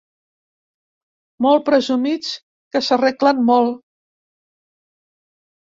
Molt presumits, que s'arreglen molt.